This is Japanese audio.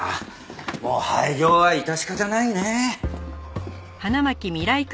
もう廃業は致し方ないね。